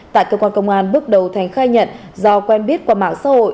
tại cơ quan công an bước đầu thành khai nhận do quen biết qua mạng xã hội